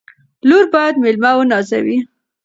لور باید مېلمه ونازوي.